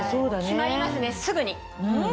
決まりますねすぐに。